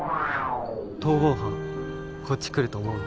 逃亡犯こっち来ると思う？